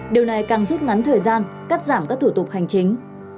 điều này càng rút ngắn thời gian cắt giảm các thủ tục hành chính